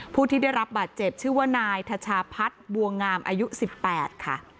ผู้ที่ได้รับบาดเจ็บชื่อว่านายทชาพัฒน์บัวงามอายุ๑๘ค่ะ